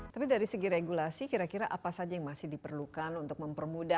tapi dari segi regulasi kira kira apa saja yang masih diperlukan untuk mempermudah